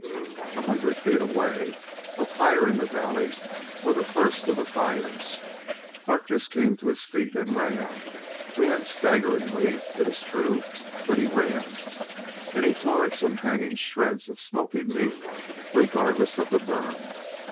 A hundred feet away, up higher in the valley, were the first of the fires. Harkness came to his feet and ran ran staggeringly, it is true, but he ran and he tore at some hanging shreds of smoking meat regardless of the burn.